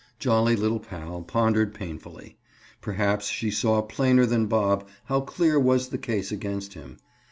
Jolly little pal pondered painfully. Perhaps she saw plainer than Bob how clear was the case against him.